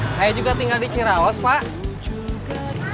saya juga tinggal di ciraos pak